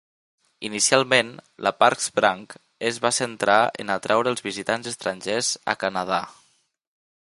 Inicialment, la Parks Branch es va centrar en atreure els visitants estrangers a Canadà.